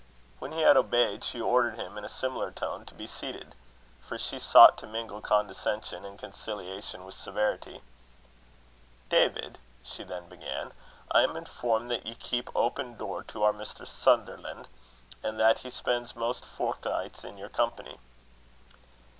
When he had obeyed, she ordered him, in a similar tone, to be seated; for she sought to mingle condescension and conciliation with severity. "David," she then began, "I am informed that ye keep open door to our Mr. Sutherland, and that he spends most forenichts in your company."